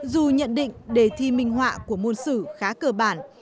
dù nhận định đề thi minh họa của môn sử khá cơ bản